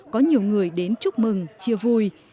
có nhiều người đến chúc mừng chia vui